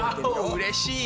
うれしい！